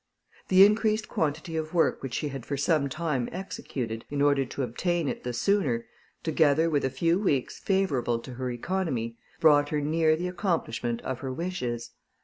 The increased quantity of work which she had for some time executed, in order to obtain it the sooner, together with a few weeks favourable to her economy, brought her near the accomplishment of her wishes.